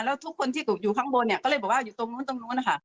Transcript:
แล้วทุกคนที่อยู่ข้างบนก็เลยบอกว่าอยู่ตรงนู้นค่ะ